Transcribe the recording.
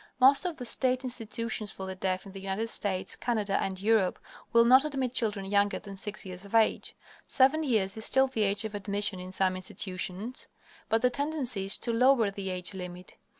Most of the state institutions for the deaf in the United States, Canada, and Europe will not admit children younger than six years of age. Seven years is still the age of admission in some institutions, but the tendency is to lower the age limit.